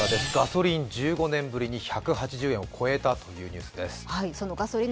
ガソリン１５０年ぶりに１８０円を超えたというニュースです。